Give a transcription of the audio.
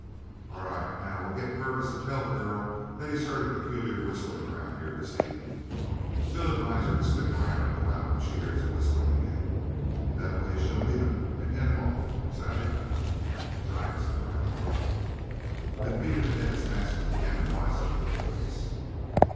"All right. Now we'll get Purvis to tell the girl that he's heard a peculiar whistling around here this evening. We'll advise her to stick around and go out when she hears the whistling again. That way she'll meet him and head him off, savvy?" "Right," said Rhinehart. "Then beat it ahead as fast as you can and wise up the boys."